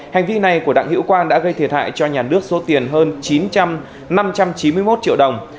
hành vi này của đặng hữu quang đã gây thiệt hại cho nhà nước số tiền hơn chín trăm chín mươi một triệu đồng